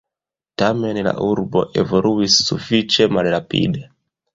Tamen la urbo evoluis sufiĉe malrapide.